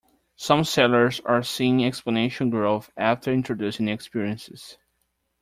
Some sellers are seeing exponential growth after introducing new experiences.